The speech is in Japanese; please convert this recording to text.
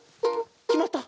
きまった！